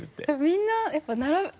みんなやっぱ並ぶ。